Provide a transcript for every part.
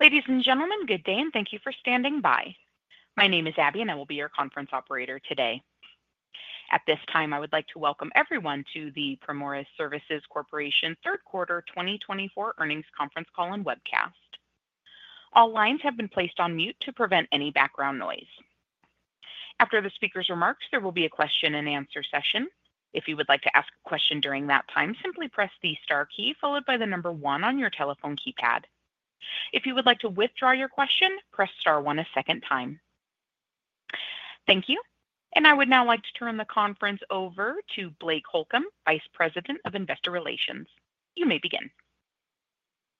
Ladies and gentlemen, good day, and thank you for standing by. My name is Abby, and I will be your conference operator today. At this time, I would like to welcome everyone to the Primoris Services Corporation Third Quarter 2024 Earnings Conference Call and Webcast. All lines have been placed on mute to prevent any background noise. After the speaker's remarks, there will be a question-and-answer session. If you would like to ask a question during that time, simply press the star key followed by the number one on your telephone keypad. If you would like to withdraw your question, press star one a second time. Thank you, and I would now like to turn the conference over to Blake Holcomb, Vice President of Investor Relations. You may begin.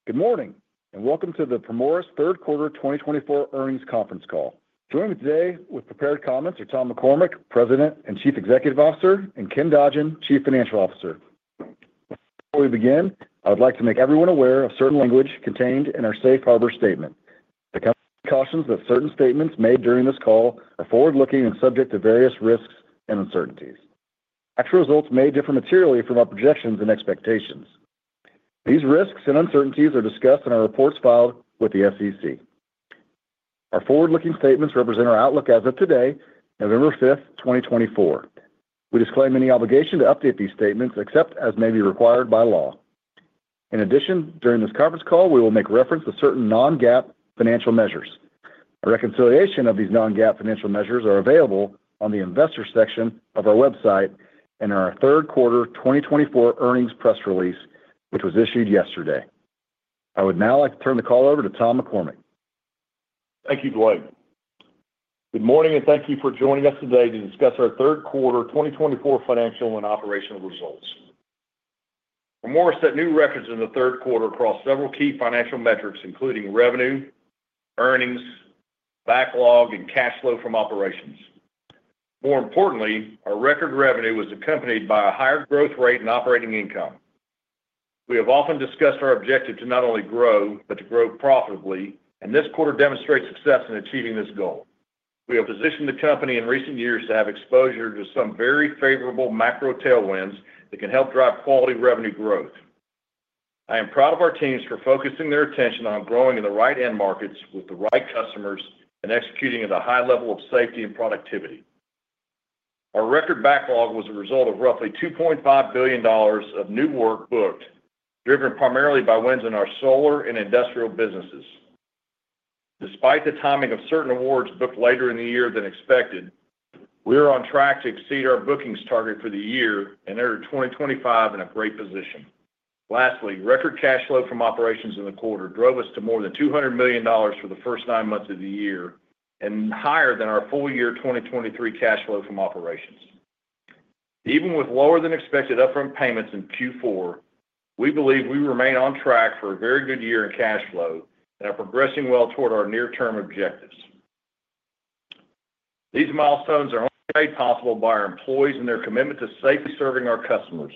Good morning, and welcome to the Primoris Third Quarter 2024 Earnings Conference Call. Joining me today with prepared comments are Tom McCormick, President and Chief Executive Officer, and Ken Dodgen, Chief Financial Officer. Before we begin, I would like to make everyone aware of certain language contained in our Safe Harbor Statement. The company cautions that certain statements made during this call are forward-looking and subject to various risks and uncertainties. Actual results may differ materially from our projections and expectations. These risks and uncertainties are discussed in our reports filed with the SEC. Our forward-looking statements represent our outlook as of today, November 5th, 2024. We disclaim any obligation to update these statements except as may be required by law. In addition, during this conference call, we will make reference to certain non-GAAP financial measures. A reconciliation of these non-GAAP financial measures is available on the Investor section of our website and our Third Quarter 2024 Earnings Press Release, which was issued yesterday. I would now like to turn the call over to Tom McCormick. Thank you, Blake. Good morning, and thank you for joining us today to discuss our Third Quarter 2024 financial and operational results. Primoris set new records in the third quarter across several key financial metrics, including revenue, earnings, backlog, and cash flow from operations. More importantly, our record revenue was accompanied by a higher growth rate and operating income. We have often discussed our objective to not only grow but to grow profitably, and this quarter demonstrates success in achieving this goal. We have positioned the company in recent years to have exposure to some very favorable macro tailwinds that can help drive quality revenue growth. I am proud of our teams for focusing their attention on growing in the right end markets with the right customers and executing at a high level of safety and productivity. Our record backlog was a result of roughly $2.5 billion of new work booked, driven primarily by wins in our solar and industrial businesses. Despite the timing of certain awards booked later in the year than expected, we are on track to exceed our bookings target for the year and enter 2025 in a great position. Lastly, record cash flow from operations in the quarter drove us to more than $200 million for the first nine months of the year and higher than our full year 2023 cash flow from operations. Even with lower-than-expected upfront payments in Q4, we believe we remain on track for a very good year in cash flow and are progressing well toward our near-term objectives. These milestones are only made possible by our employees and their commitment to safely serving our customers.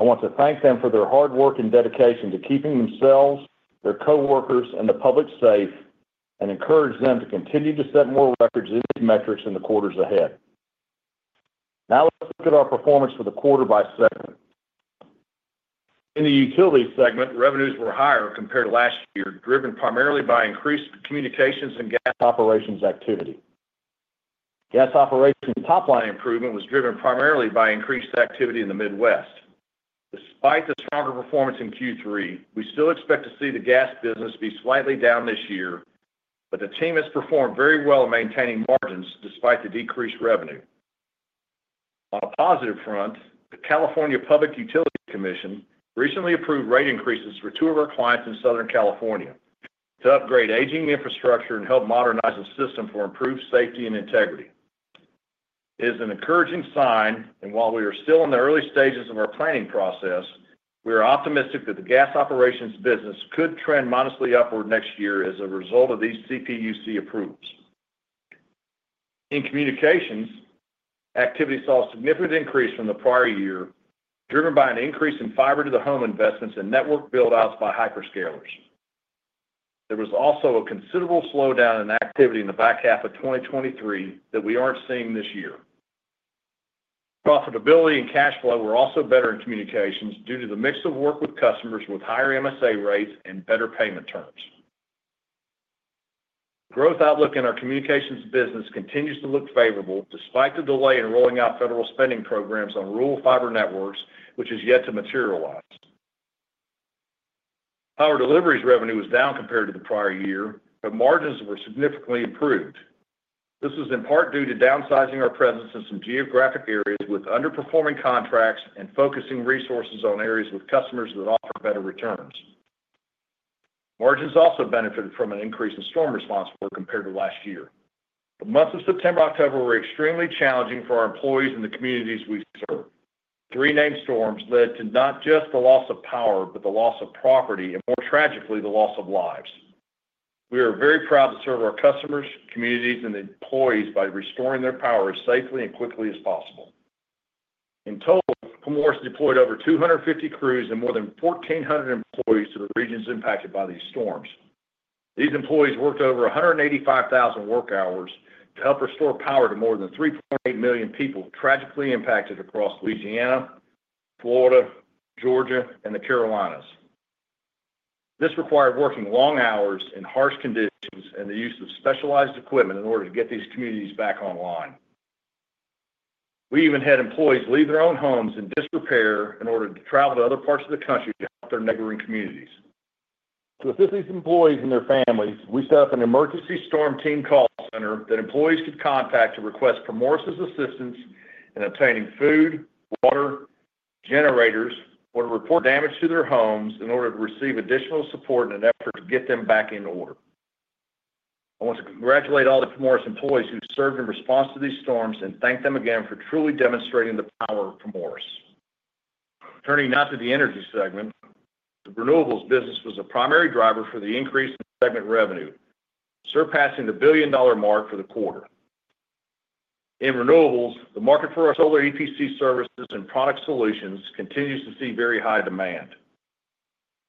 I want to thank them for their hard work and dedication to keeping themselves, their coworkers, and the public safe and encourage them to continue to set more records in these metrics in the quarters ahead. Now, let's look at our performance for the quarter by segment. In the utility segment, revenues were higher compared to last year, driven primarily by increased communications and gas operations activity. Gas operations top-line improvement was driven primarily by increased activity in the Midwest. Despite the stronger performance in Q3, we still expect to see the gas business be slightly down this year, but the team has performed very well in maintaining margins despite the decreased revenue. On a positive front, the California Public Utilities Commission recently approved rate increases for two of our clients in Southern California to upgrade aging infrastructure and help modernize the system for improved safety and integrity. It is an encouraging sign, and while we are still in the early stages of our planning process, we are optimistic that the gas operations business could trend modestly upward next year as a result of these CPUC approvals. In communications, activity saw a significant increase from the prior year, driven by an increase in fiber-to-the-home investments and network build-outs by hyperscalers. There was also a considerable slowdown in activity in the back half of 2023 that we aren't seeing this year. Profitability and cash flow were also better in communications due to the mix of work with customers with higher MSA rates and better payment terms. Growth outlook in our communications business continues to look favorable despite the delay in rolling out federal spending programs on rural fiber networks, which has yet to materialize. Power delivery revenue was down compared to the prior year, but margins were significantly improved. This was in part due to downsizing our presence in some geographic areas with underperforming contracts and focusing resources on areas with customers that offer better returns. Margins also benefited from an increase in storm response work compared to last year. The months of September and October were extremely challenging for our employees and the communities we serve. Three named storms led to not just the loss of power, but the loss of property and, more tragically, the loss of lives. We are very proud to serve our customers, communities, and employees by restoring their power as safely and quickly as possible. In total, Primoris deployed over 250 crews and more than 1,400 employees to the regions impacted by these storms. These employees worked over 185,000 work hours to help restore power to more than 3.8 million people tragically impacted across Louisiana, Florida, Georgia, and the Carolinas. This required working long hours in harsh conditions and the use of specialized equipment in order to get these communities back online. We even had employees leave their own homes in disrepair in order to travel to other parts of the country to help their neighboring communities. To assist these employees and their families, we set up an emergency storm team call center that employees could contact to request Primoris' assistance in obtaining food, water, generators, or to report damage to their homes in order to receive additional support in an effort to get them back in order. I want to congratulate all the Primoris employees who served in response to these storms and thank them again for truly demonstrating the power of Primoris. Turning now to the energy segment, the renewables business was a primary driver for the increase in segment revenue, surpassing the billion-dollar mark for the quarter. In renewables, the market for our solar EPC services and product solutions continues to see very high demand.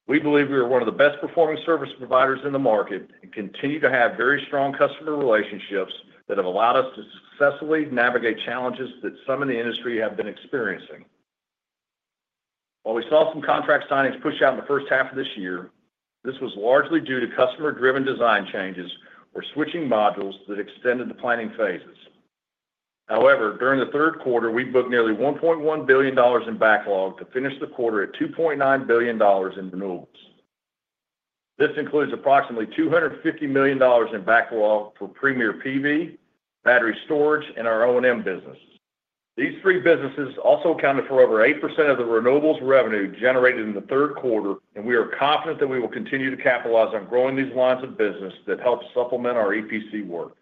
We believe we are one of the best-performing service providers in the market and continue to have very strong customer relationships that have allowed us to successfully navigate challenges that some in the industry have been experiencing. While we saw some contract signings push out in the first half of this year, this was largely due to customer-driven design changes or switching modules that extended the planning phases. However, during the third quarter, we booked nearly $1.1 billion in backlog to finish the quarter at $2.9 billion in renewables. This includes approximately $250 million in backlog for eBOS, battery storage, and our O&M business. These three businesses also accounted for over 8% of the renewables revenue generated in the third quarter, and we are confident that we will continue to capitalize on growing these lines of business that help supplement our EPC work.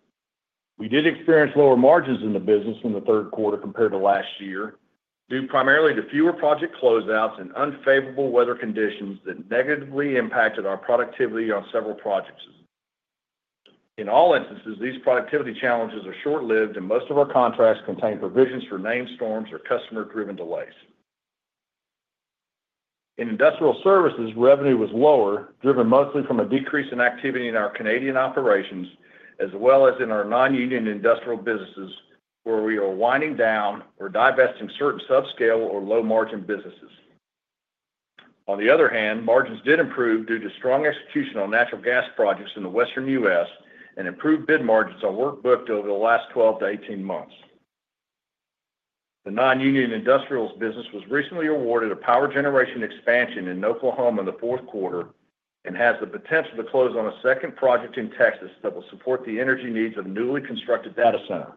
We did experience lower margins in the business in the third quarter compared to last year due primarily to fewer project closeouts and unfavorable weather conditions that negatively impacted our productivity on several projects. In all instances, these productivity challenges are short-lived, and most of our contracts contain provisions for named storms or customer-driven delays. In industrial services, revenue was lower, driven mostly from a decrease in activity in our Canadian operations, as well as in our non-union industrial businesses, where we are winding down or divesting certain subscale or low-margin businesses. On the other hand, margins did improve due to strong execution on natural gas projects in the western U.S. And improved bid margins on work booked over the last 12-18 months. The non-union industrials business was recently awarded a power generation expansion in Oklahoma in the fourth quarter and has the potential to close on a second project in Texas that will support the energy needs of a newly constructed data center.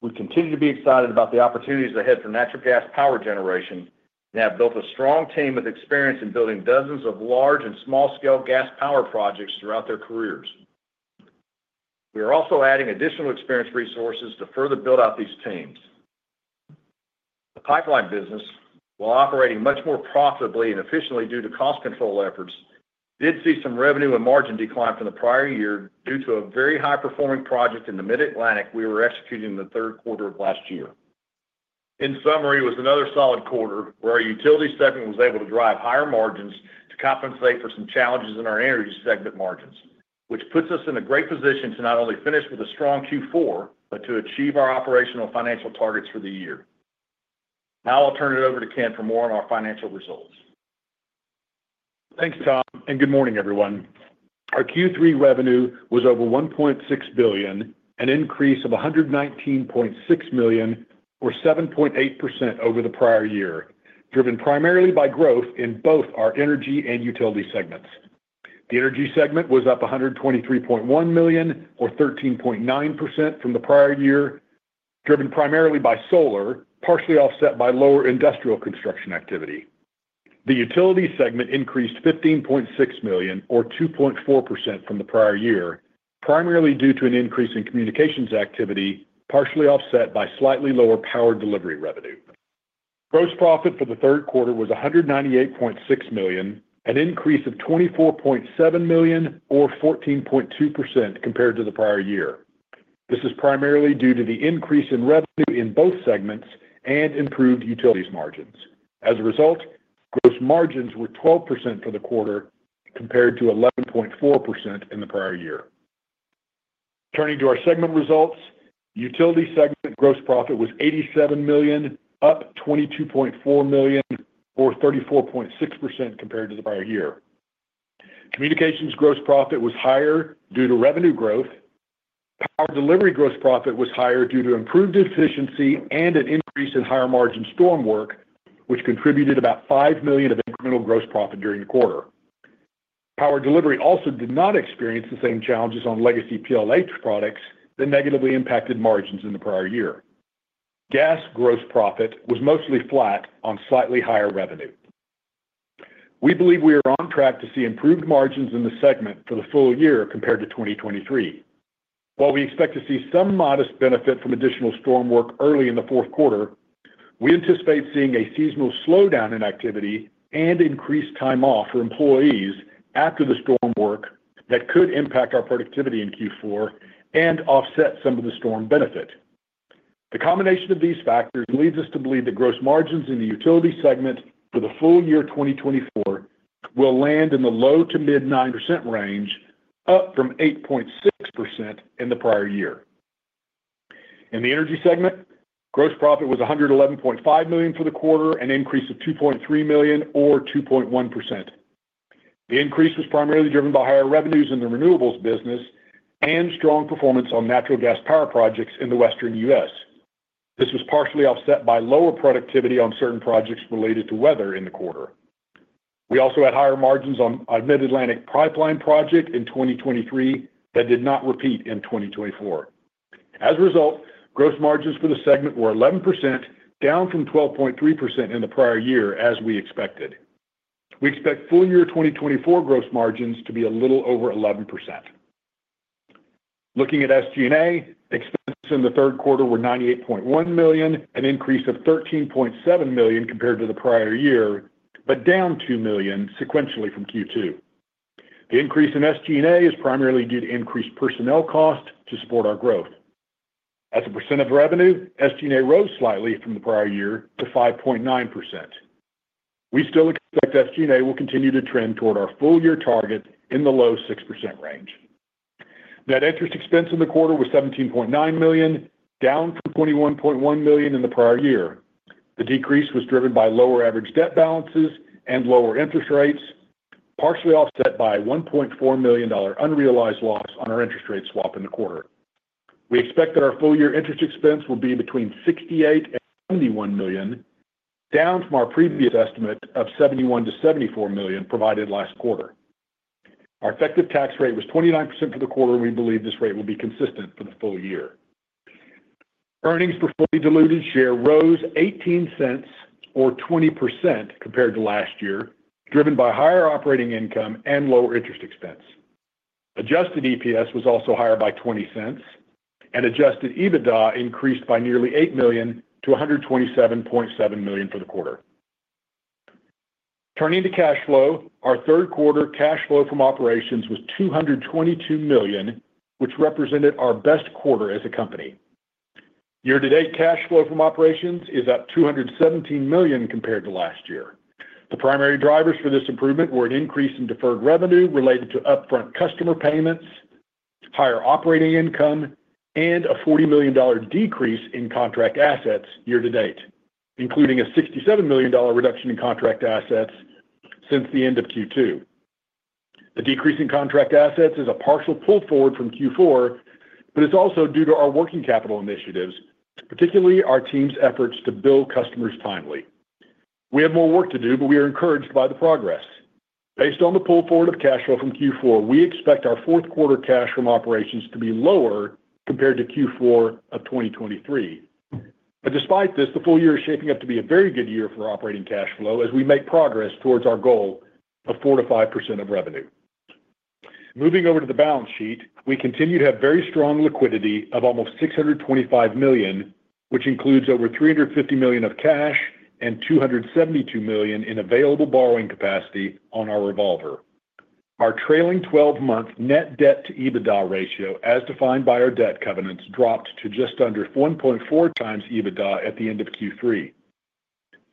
We continue to be excited about the opportunities ahead for natural gas power generation and have built a strong team with experience in building dozens of large and small-scale gas power projects throughout their careers. We are also adding additional experience resources to further build out these teams. The pipeline business, while operating much more profitably and efficiently due to cost control efforts, did see some revenue and margin decline from the prior year due to a very high-performing project in the Mid-Atlantic we were executing in the third quarter of last year. In summary, it was another solid quarter where our utility segment was able to drive higher margins to compensate for some challenges in our energy segment margins, which puts us in a great position to not only finish with a strong Q4 but to achieve our operational financial targets for the year. Now, I'll turn it over to Ken for more on our financial results. Thanks, Tom, and good morning, everyone. Our Q3 revenue was over $1.6 billion, an increase of $119.6 million, or 7.8% over the prior year, driven primarily by growth in both our energy and utility segments. The energy segment was up $123.1 million, or 13.9% from the prior year, driven primarily by solar, partially offset by lower industrial construction activity. The utility segment increased $15.6 million, or 2.4% from the prior year, primarily due to an increase in communications activity, partially offset by slightly lower power delivery revenue. Gross profit for the third quarter was $198.6 million, an increase of $24.7 million, or 14.2% compared to the prior year. This is primarily due to the increase in revenue in both segments and improved utility margins. As a result, gross margins were 12% for the quarter compared to 11.4% in the prior year. Turning to our segment results, the utility segment gross profit was $87 million, up $22.4 million, or 34.6% compared to the prior year. Communications gross profit was higher due to revenue growth. Power delivery gross profit was higher due to improved efficiency and an increase in higher margin storm work, which contributed about $5 million of incremental gross profit during the quarter. Power delivery also did not experience the same challenges on legacy PLA projects that negatively impacted margins in the prior year. Gas gross profit was mostly flat on slightly higher revenue. We believe we are on track to see improved margins in the segment for the full year compared to 2023. While we expect to see some modest benefit from additional storm work early in the fourth quarter, we anticipate seeing a seasonal slowdown in activity and increased time off for employees after the storm work that could impact our productivity in Q4 and offset some of the storm benefit. The combination of these factors leads us to believe that gross margins in the utility segment for the full year 2024 will land in the low to mid-9% range, up from 8.6% in the prior year. In the energy segment, gross profit was $111.5 million for the quarter, an increase of $2.3 million, or 2.1%. The increase was primarily driven by higher revenues in the renewables business and strong performance on natural gas power projects in the Western U.S. This was partially offset by lower productivity on certain projects related to weather in the quarter. We also had higher margins on a Mid-Atlantic pipeline project in 2023 that did not repeat in 2024. As a result, gross margins for the segment were 11%, down from 12.3% in the prior year, as we expected. We expect full year 2024 gross margins to be a little over 11%. Looking at SG&A, expenses in the third quarter were $98.1 million, an increase of $13.7 million compared to the prior year, but down $2 million sequentially from Q2. The increase in SG&A is primarily due to increased personnel costs to support our growth. As a percent of revenue, SG&A rose slightly from the prior year to 5.9%. We still expect SG&A will continue to trend toward our full year target in the low 6% range. Net interest expense in the quarter was $17.9 million, down from $21.1 million in the prior year. The decrease was driven by lower average debt balances and lower interest rates, partially offset by a $1.4 million unrealized loss on our interest rate swap in the quarter. We expect that our full year interest expense will be between $68 and $71 million, down from our previous estimate of $71 to $74 million provided last quarter. Our effective tax rate was 29% for the quarter, and we believe this rate will be consistent for the full year. Earnings for fully diluted share rose $0.18, or 20%, compared to last year, driven by higher operating income and lower interest expense. Adjusted EPS was also higher by $0.20, and adjusted EBITDA increased by nearly $8 million to $127.7 million for the quarter. Turning to cash flow, our third quarter cash flow from operations was $222 million, which represented our best quarter as a company. Year-to-date cash flow from operations is up $217 million compared to last year. The primary drivers for this improvement were an increase in deferred revenue related to upfront customer payments, higher operating income, and a $40 million decrease in contract assets year-to-date, including a $67 million reduction in contract assets since the end of Q2. The decrease in contract assets is a partial pull forward from Q4, but it's also due to our working capital initiatives, particularly our team's efforts to bill customers timely. We have more work to do, but we are encouraged by the progress. Based on the pull forward of cash flow from Q4, we expect our fourth quarter cash from operations to be lower compared to Q4 of 2023. But despite this, the full year is shaping up to be a very good year for operating cash flow as we make progress towards our goal of 4%-5% of revenue. Moving over to the balance sheet, we continue to have very strong liquidity of almost $625 million, which includes over $350 million of cash and $272 million in available borrowing capacity on our revolver. Our trailing 12-month net debt-to-EBITDA ratio, as defined by our debt covenants, dropped to just under 1.4 times EBITDA at the end of Q3.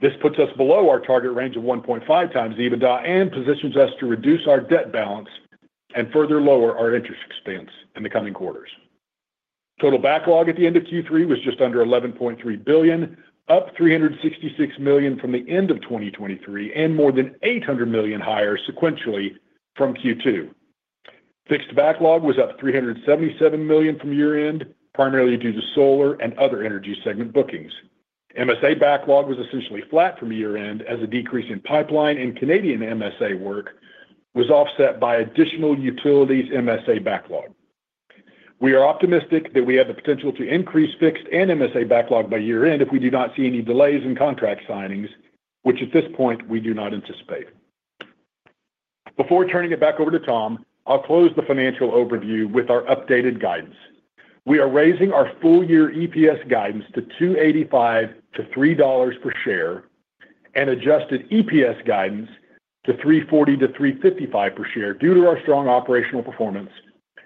This puts us below our target range of 1.5 times EBITDA and positions us to reduce our debt balance and further lower our interest expense in the coming quarters. Total backlog at the end of Q3 was just under $11.3 billion, up $366 million from the end of 2023, and more than $800 million higher sequentially from Q2. Fixed backlog was up $377 million from year-end, primarily due to solar and other energy segment bookings. MSA backlog was essentially flat from year-end, as a decrease in pipeline and Canadian MSA work was offset by additional utilities MSA backlog. We are optimistic that we have the potential to increase fixed and MSA backlog by year-end if we do not see any delays in contract signings, which at this point we do not anticipate. Before turning it back over to Tom, I'll close the financial overview with our updated guidance. We are raising our full-year EPS guidance to $2.85-$3.00 per share and adjusted EPS guidance to $3.40-$3.55 per share due to our strong operational performance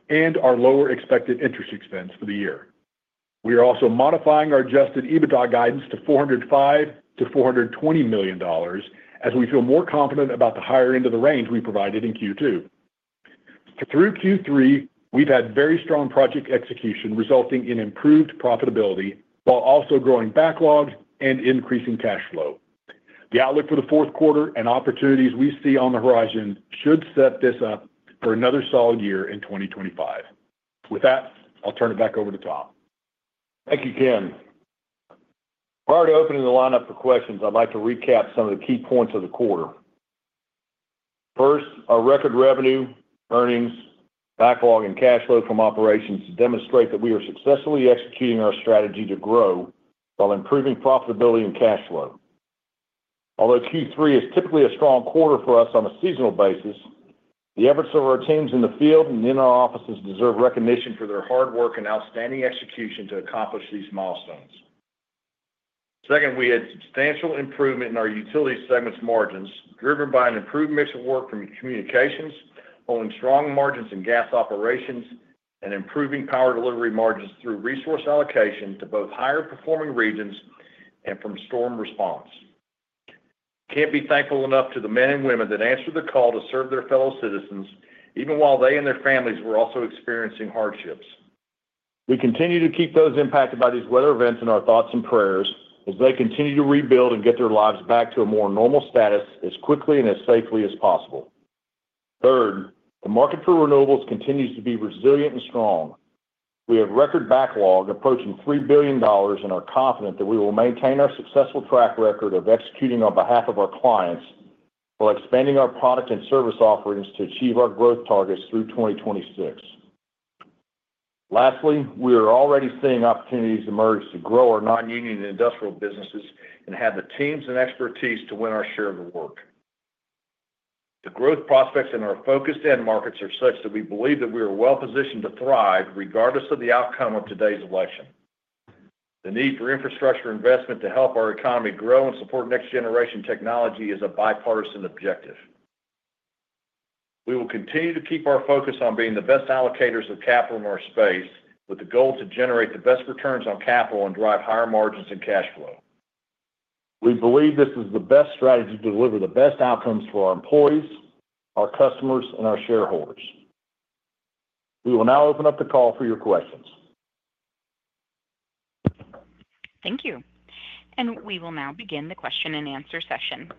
and our lower expected interest expense for the year. We are also modifying our Adjusted EBITDA guidance to $405-$420 million as we feel more confident about the higher end of the range we provided in Q2. Through Q3, we've had very strong project execution resulting in improved profitability while also growing backlog and increasing cash flow. The outlook for the fourth quarter and opportunities we see on the horizon should set this up for another solid year in 2025. With that, I'll turn it back over to Tom. Thank you, Ken. Prior to opening the lineup for questions, I'd like to recap some of the key points of the quarter. First, our record revenue, earnings, backlog, and cash flow from operations demonstrate that we are successfully executing our strategy to grow while improving profitability and cash flow. Although Q3 is typically a strong quarter for us on a seasonal basis, the efforts of our teams in the field and in our offices deserve recognition for their hard work and outstanding execution to accomplish these milestones. Second, we had substantial improvement in our utility segment's margins, driven by an improved mix of work from communications, holding strong margins in gas operations, and improving power delivery margins through resource allocation to both higher-performing regions and from storm response. Can't be thankful enough to the men and women that answered the call to serve their fellow citizens, even while they and their families were also experiencing hardships. We continue to keep those impacted by these weather events in our thoughts and prayers as they continue to rebuild and get their lives back to a more normal status as quickly and as safely as possible. Third, the market for renewables continues to be resilient and strong. We have record backlog approaching $3 billion, and are confident that we will maintain our successful track record of executing on behalf of our clients while expanding our product and service offerings to achieve our growth targets through 2026. Lastly, we are already seeing opportunities emerge to grow our non-union industrial businesses and have the teams and expertise to win our share of the work. The growth prospects in our focused end markets are such that we believe that we are well-positioned to thrive regardless of the outcome of today's election. The need for infrastructure investment to help our economy grow and support next-generation technology is a bipartisan objective. We will continue to keep our focus on being the best allocators of capital in our space with the goal to generate the best returns on capital and drive higher margins and cash flow. We believe this is the best strategy to deliver the best outcomes for our employees, our customers, and our shareholders. We will now open up the call for your questions. Thank you. And we will now begin the question-and-answer session.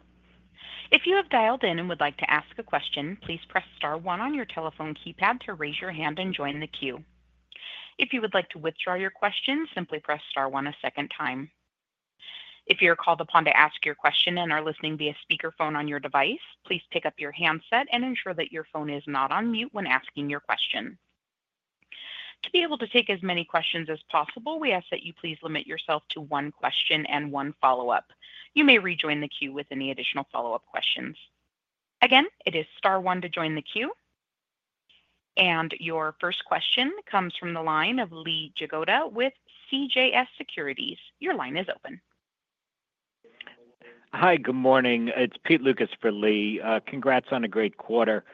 If you have dialed in and would like to ask a question, please press star one on your telephone keypad to raise your hand and join the queue. If you would like to withdraw your question, simply press star one a second time. If you are called upon to ask your question and are listening via speakerphone on your device, please pick up your handset and ensure that your phone is not on mute when asking your question. To be able to take as many questions as possible, we ask that you please limit yourself to one question and one follow-up. You may rejoin the queue with any additional follow-up questions. Again, it is star one to join the queue. And your first question comes from the line of Lee Jagoda with CJS Securities. Your line is open. Hi, good morning. It's Pete Lucas for Lee. Congrats on a great quarter.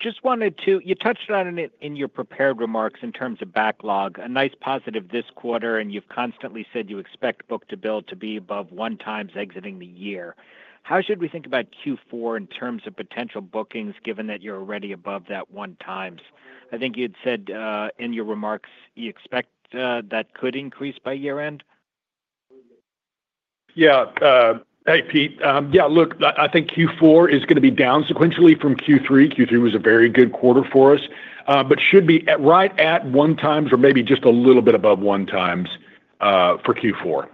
Just wanted to, you touched on it in your prepared remarks in terms of backlog. A nice positive this quarter, and you've constantly said you expect book-to-bill to be above one times exiting the year. How should we think about Q4 in terms of potential bookings, given that you're already above that one times? I think you had said in your remarks you expect that could increase by year-end. Yeah. Hey, Pete. Yeah, look, I think Q4 is going to be down sequentially from Q3. Q3 was a very good quarter for us, but should be right at one times or maybe just a little bit above one times for Q4.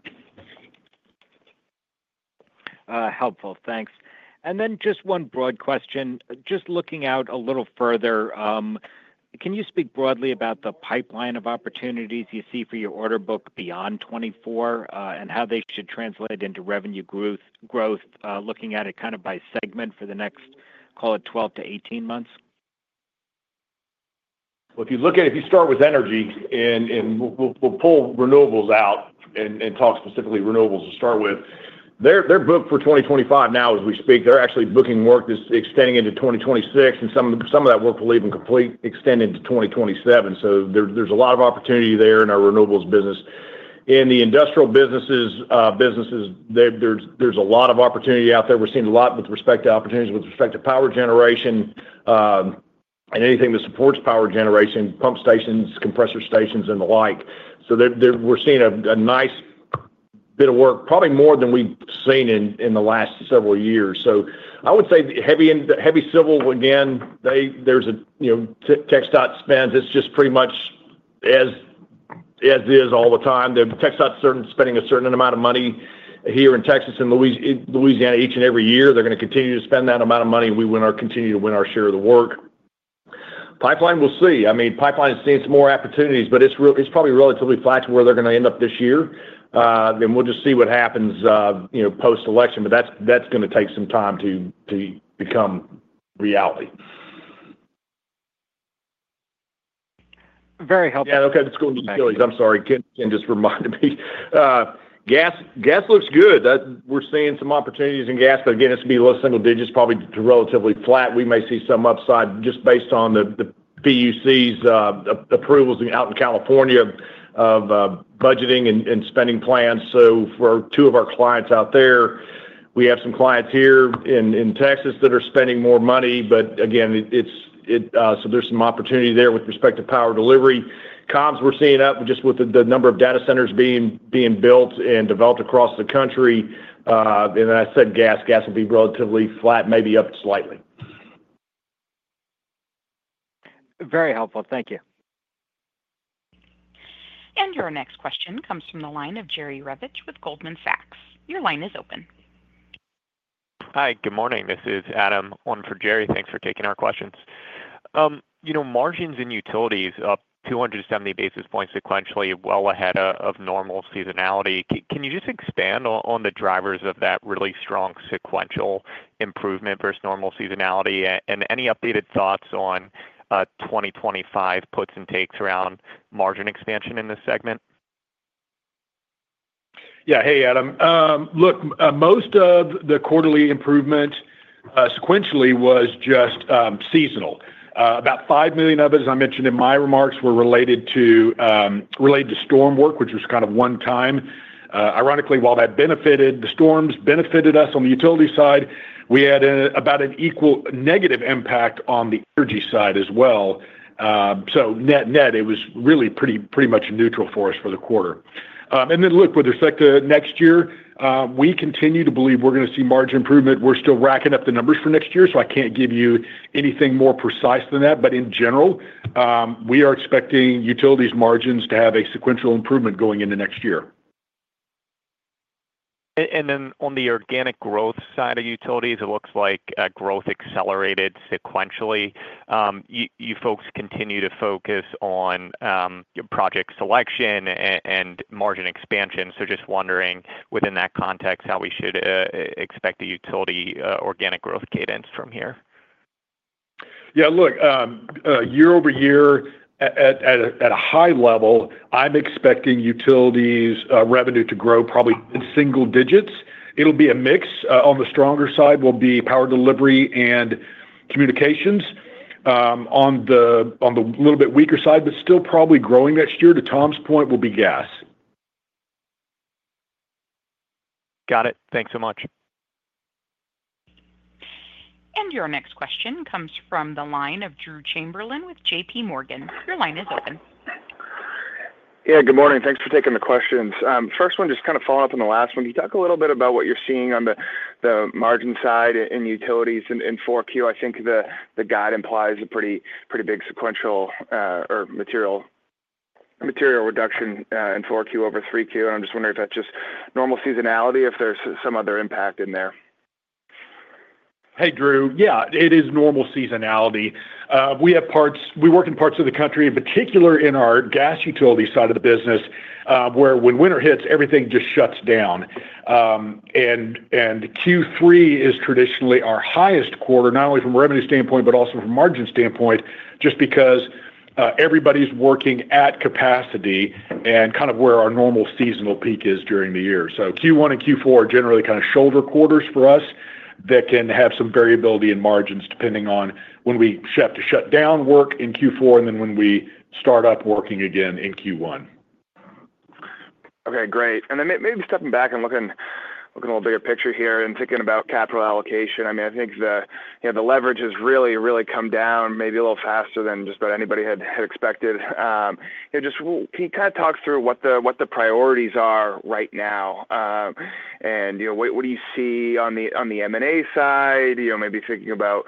Helpful. Thanks. And then just one broad question. Just looking out a little further, can you speak broadly about the pipeline of opportunities you see for your order book beyond 2024 and how they should translate into revenue growth, looking at it kind of by segment for the next, call it, 12 to 18 months? If you start with energy and we'll pull renewables out and talk specifically renewables to start with, they're booked for 2025 now as we speak. They're actually booking work that's extending into 2026, and some of that work will even complete extend into 2027. So there's a lot of opportunity there in our renewables business. In the industrial businesses, there's a lot of opportunity out there. We're seeing a lot with respect to opportunities with respect to power generation and anything that supports power generation, pump stations, compressor stations, and the like. So we're seeing a nice bit of work, probably more than we've seen in the last several years. So I would say heavy civil, again, there's a tech stock spend. It's just pretty much as it is all the time. The TxDOT's spending a certain amount of money here in Texas and Louisiana each and every year. They're going to continue to spend that amount of money, and we will continue to win our share of the work. Pipeline, we'll see. I mean, pipeline is seeing some more opportunities, but it's probably relatively flat to where they're going to end up this year, and we'll just see what happens post-election, but that's going to take some time to become reality. Very helpful. Yeah. Okay. That's going to be chilly. I'm sorry. Ken just reminded me. Gas looks good. We're seeing some opportunities in gas, but again, it's going to be low single digits, probably relatively flat. We may see some upside just based on the PUC's approvals out in California of budgeting and spending plans. So for two of our clients out there, we have some clients here in Texas that are spending more money, but again, so there's some opportunity there with respect to power delivery. Comms, we're seeing up just with the number of data centers being built and developed across the country. And then I said gas. Gas will be relatively flat, maybe up slightly. Very helpful. Thank you. Your next question comes from the line of Jerry Revich with Goldman Sachs. Your line is open. Hi, good morning. This is Adam, on for Jerry. Thanks for taking our questions. Margins in utilities up 270 basis points sequentially, well ahead of normal seasonality. Can you just expand on the drivers of that really strong sequential improvement versus normal seasonality? And any updated thoughts on 2025 puts and takes around margin expansion in this segment? Yeah. Hey, Adam. Look, most of the quarterly improvement sequentially was just seasonal. About $5 million of it, as I mentioned in my remarks, were related to storm work, which was kind of one time. Ironically, while that benefited the storms, benefited us on the utility side, we had about an equal negative impact on the energy side as well. So net, net, it was really pretty much neutral for us for the quarter. And then look, with respect to next year, we continue to believe we're going to see margin improvement. We're still racking up the numbers for next year, so I can't give you anything more precise than that. But in general, we are expecting utilities margins to have a sequential improvement going into next year. And then on the organic growth side of utilities, it looks like growth accelerated sequentially. You folks continue to focus on project selection and margin expansion. So just wondering within that context how we should expect the utility organic growth cadence from here? Yeah. Look, year over year, at a high level, I'm expecting utilities revenue to grow probably in single digits. It'll be a mix. On the stronger side will be power delivery and communications. On the little bit weaker side, but still probably growing next year, to Tom's point, will be gas. Got it. Thanks so much. And your next question comes from the line of Drew Chamberlain with J.P. Morgan. Your line is open. Yeah. Good morning. Thanks for taking the questions. First one, just kind of following up on the last one. Can you talk a little bit about what you're seeing on the margin side in utilities in 4Q? I think the guide implies a pretty big sequential or material reduction in 4Q over 3Q. And I'm just wondering if that's just normal seasonality, if there's some other impact in there? Hey, Drew. Yeah, it is normal seasonality. We work in parts of the country, in particular in our gas utility side of the business, where when winter hits, everything just shuts down, and Q3 is traditionally our highest quarter, not only from a revenue standpoint, but also from a margin standpoint, just because everybody's working at capacity and kind of where our normal seasonal peak is during the year, so Q1 and Q4 are generally kind of shoulder quarters for us that can have some variability in margins depending on when we have to shut down work in Q4 and then when we start up working again in Q1. Okay. Great. And then maybe stepping back and looking at a little bigger picture here and thinking about capital allocation. I mean, I think the leverage has really, really come down maybe a little faster than just about anybody had expected. Just can you kind of talk through what the priorities are right now? And what do you see on the M&A side, maybe thinking about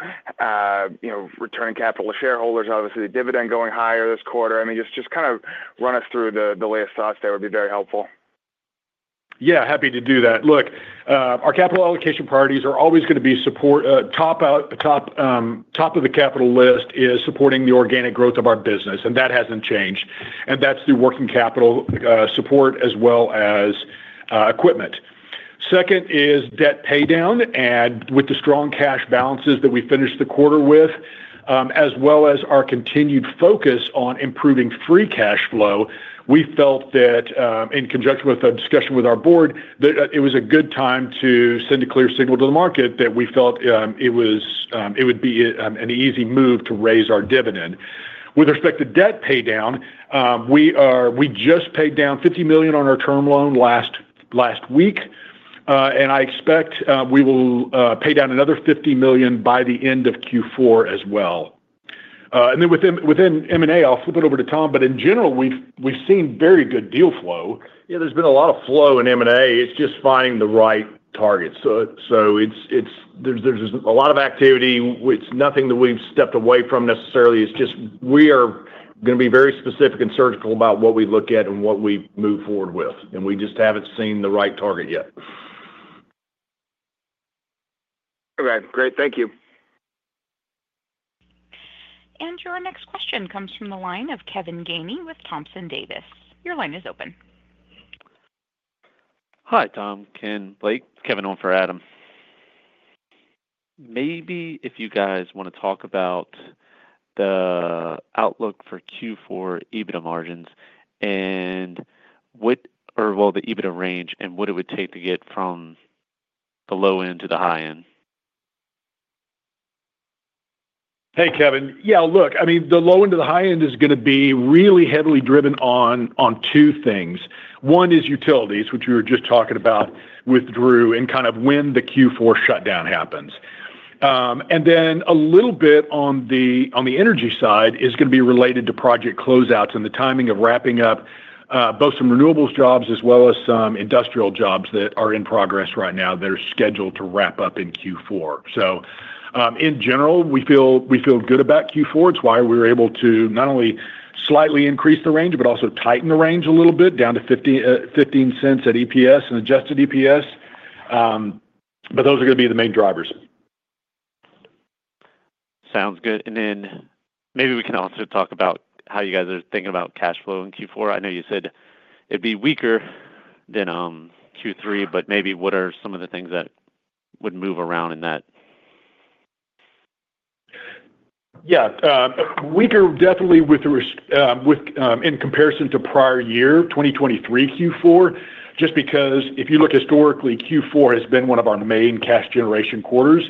returning capital to shareholders, obviously dividend going higher this quarter? I mean, just kind of run us through the latest thoughts. That would be very helpful. Yeah. Happy to do that. Look, our capital allocation priorities are always going to be support. Top of the capital list is supporting the organic growth of our business, and that hasn't changed. And that's through working capital support as well as equipment. Second is debt paydown. And with the strong cash balances that we finished the quarter with, as well as our continued focus on improving free cash flow, we felt that in conjunction with a discussion with our board, it was a good time to send a clear signal to the market that we felt it would be an easy move to raise our dividend. With respect to debt paydown, we just paid down $50 million on our term loan last week. And I expect we will pay down another $50 million by the end of Q4 as well. And then within M&A, I'll flip it over to Tom, but in general, we've seen very good deal flow. Yeah, there's been a lot of flow in M&A. It's just finding the right target. So there's a lot of activity. It's nothing that we've stepped away from necessarily. It's just we are going to be very specific and surgical about what we look at and what we move forward with. And we just haven't seen the right target yet. Okay. Great. Thank you. Your next question comes from the line of Kevin Gainey with Thompson Davis. Your line is open. Hi, Tom. Ken, Blake. Kevin, on for Adam. Maybe if you guys want to talk about the outlook for Q4 EBITDA margins and what, well, the EBITDA range and what it would take to get from the low end to the high end. Hey, Kevin. Yeah. Look, I mean, the low end to the high end is going to be really heavily driven on two things. One is utilities, which we were just talking about with Drew and kind of when the Q4 shutdown happens. And then a little bit on the energy side is going to be related to project closeouts and the timing of wrapping up both some renewables jobs as well as some industrial jobs that are in progress right now that are scheduled to wrap up in Q4. So in general, we feel good about Q4. It's why we were able to not only slightly increase the range, but also tighten the range a little bit down to $0.15 at EPS and adjusted EPS. But those are going to be the main drivers. Sounds good. And then maybe we can also talk about how you guys are thinking about cash flow in Q4. I know you said it'd be weaker than Q3, but maybe what are some of the things that would move around in that? Yeah. Weaker definitely in comparison to prior year, 2023 Q4, just because if you look historically, Q4 has been one of our main cash generation quarters.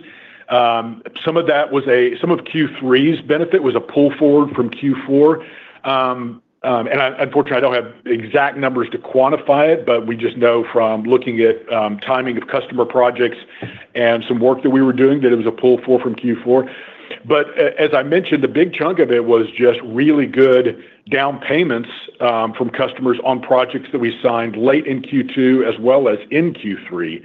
Some of that was some of Q3's benefit was a pull forward from Q4. And unfortunately, I don't have exact numbers to quantify it, but we just know from looking at timing of customer projects and some work that we were doing that it was a pull forward from Q4. But as I mentioned, the big chunk of it was just really good down payments from customers on projects that we signed late in Q2 as well as in Q3.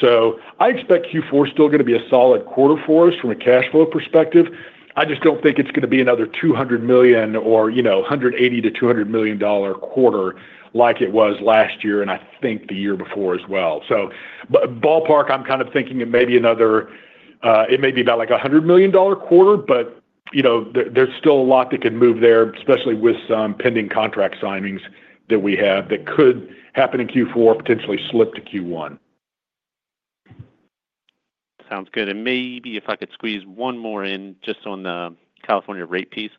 So I expect Q4 is still going to be a solid quarter for us from a cash flow perspective. I just don't think it's going to be another $200 million or $180 million-$200 million dollar quarter like it was last year and I think the year before as well. So ballpark, I'm kind of thinking it may be about like a $100 million dollar quarter, but there's still a lot that could move there, especially with some pending contract signings that we have that could happen in Q4, potentially slip to Q1. Sounds good. And maybe if I could squeeze one more in just on the California rate piece,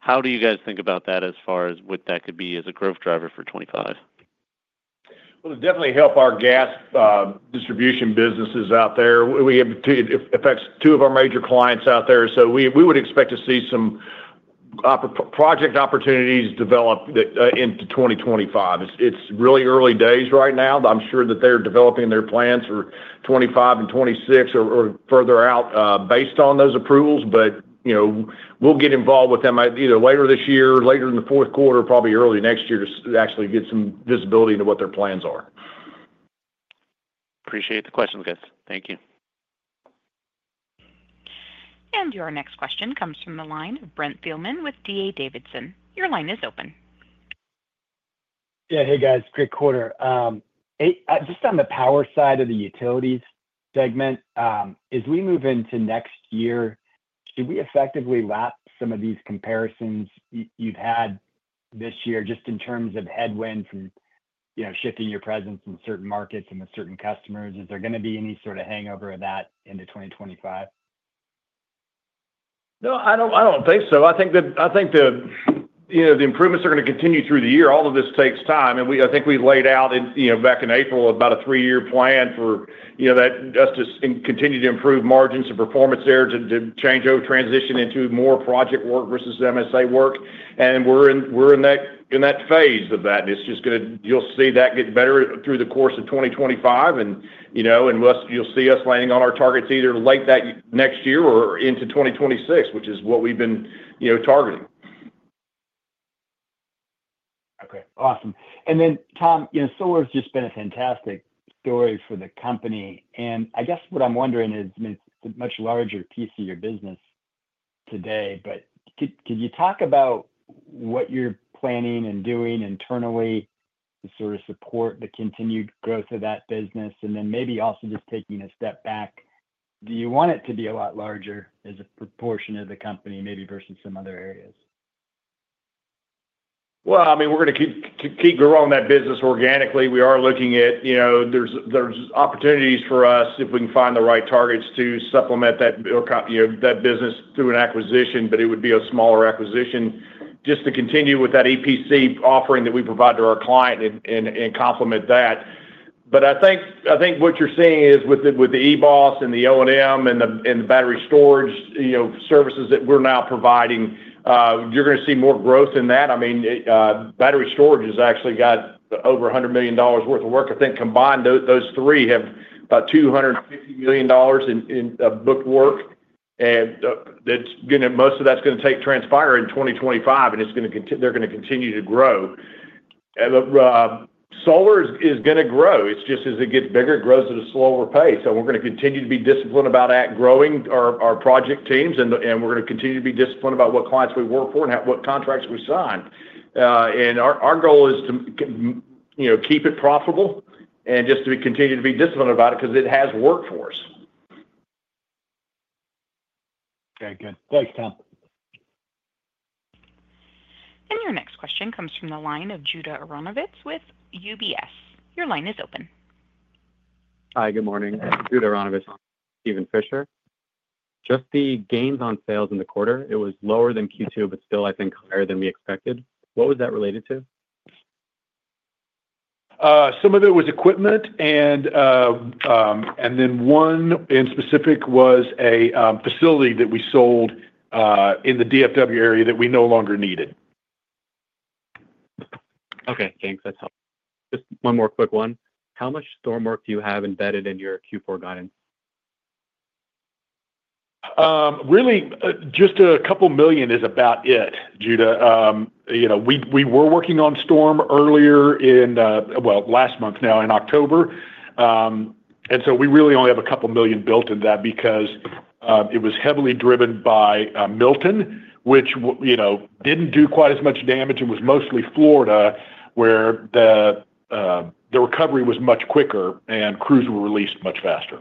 how do you guys think about that as far as what that could be as a growth driver for 2025? It'll definitely help our gas distribution businesses out there. It affects two of our major clients out there. So we would expect to see some project opportunities develop into 2025. It's really early days right now. I'm sure that they're developing their plans for 2025 and 2026 or further out based on those approvals, but we'll get involved with them either later this year, later in the fourth quarter, probably early next year to actually get some visibility into what their plans are. Appreciate the questions, guys. Thank you. And your next question comes from the line of Brent Thielman with D.A. Davidson. Your line is open. Yeah. Hey, guys. Great quarter. Just on the power side of the utilities segment, as we move into next year, should we effectively lap some of these comparisons you've had this year just in terms of headwinds from shifting your presence in certain markets and with certain customers? Is there going to be any sort of hangover of that into 2025? No, I don't think so. I think the improvements are going to continue through the year. All of this takes time. And I think we laid out back in April about a three-year plan for us to continue to improve margins and performance there to change over transition into more project work versus MSA work. And we're in that phase of that. And it's just going to, you'll see that get better through the course of 2025. And you'll see us landing on our targets either late that next year or into 2026, which is what we've been targeting. Okay. Awesome. And then, Tom, Solar has just been a fantastic story for the company. And I guess what I'm wondering is, I mean, it's a much larger piece of your business today, but can you talk about what you're planning and doing internally to sort of support the continued growth of that business? And then maybe also just taking a step back, do you want it to be a lot larger as a proportion of the company maybe versus some other areas? Well, I mean, we're going to keep growing that business organically. We are looking at. There's opportunities for us if we can find the right targets to supplement that business through an acquisition, but it would be a smaller acquisition just to continue with that EPC offering that we provide to our client and complement that. But I think what you're seeing is with the EBOS and the O&M and the battery storage services that we're now providing, you're going to see more growth in that. I mean, battery storage has actually got over $100 million worth of work. I think combined, those three have about $250 million in booked work. And most of that's going to transpire in 2025, and they're going to continue to grow. Solar is going to grow. It's just as it gets bigger, it grows at a slower pace. And we're going to continue to be disciplined about that, growing our project teams. And we're going to continue to be disciplined about what clients we work for and what contracts we sign. And our goal is to keep it profitable and just to continue to be disciplined about it because it has worked for us. Okay. Good. Thanks, Tom. Your next question comes from the line of Judah Aronovitz with UBS. Your line is open. Hi. Good morning. Judah Aronovitz. Steven Fisher. Just the gains on sales in the quarter, it was lower than Q2, but still, I think, higher than we expected. What was that related to? Some of it was equipment, and then one in specific was a facility that we sold in the DFW area that we no longer needed. Okay. Thanks. That's helpful. Just one more quick one. How much storm work do you have embedded in your Q4 guidance? Really, just a couple million is about it, Judah. We were working on storm earlier in, well, last month now in October. And so we really only have a couple million built in that because it was heavily driven by Milton, which didn't do quite as much damage and was mostly Florida, where the recovery was much quicker and crews were released much faster.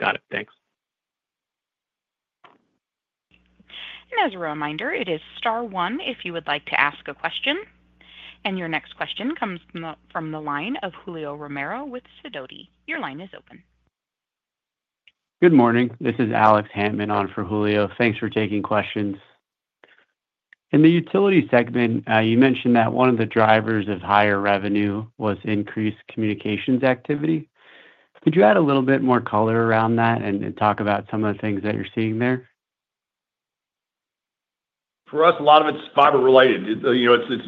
Got it. Thanks. As a reminder, it is star one if you would like to ask a question. Your next question comes from the line of Julio Romero with Sidoti. Your line is open. Good morning. This is Alex Hantman on for Julio. Thanks for taking questions. In the utility segment, you mentioned that one of the drivers of higher revenue was increased communications activity. Could you add a little bit more color around that and talk about some of the things that you're seeing there? For us, a lot of it's fiber-related. It's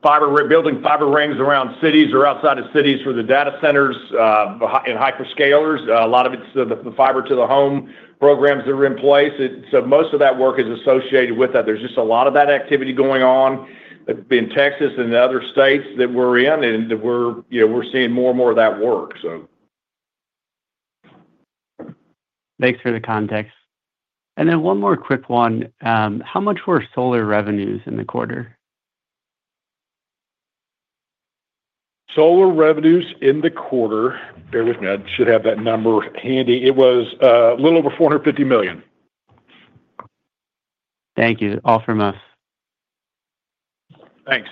building fiber rings around cities or outside of cities for the data centers and hyperscalers. A lot of it's the fiber-to-the-home programs that are in place. So most of that work is associated with that. There's just a lot of that activity going on in Texas and the other states that we're in, and we're seeing more and more of that work, so. Thanks for the context. And then one more quick one. How much were solar revenues in the quarter? Solar revenues in the quarter, bear with me. I should have that number handy. It was a little over $450 million. Thank you. All from us. Thanks.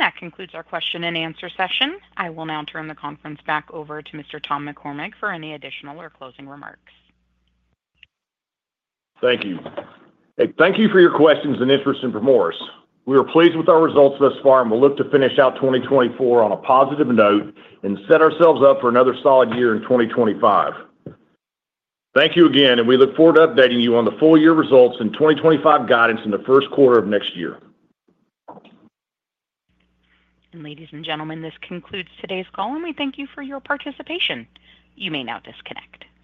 That concludes our question and answer session. I will now turn the conference back over to Mr. Tom McCormick for any additional or closing remarks. Thank you. Thank you for your questions and interest in Primoris. We are pleased with our results thus far, and we'll look to finish out 2024 on a positive note and set ourselves up for another solid year in 2025. Thank you again, and we look forward to updating you on the full year results and 2025 guidance in the first quarter of next year. Ladies and gentlemen, this concludes today's call, and we thank you for your participation. You may now disconnect.